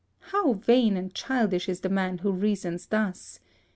— How vain and childish is the man who reasons thus!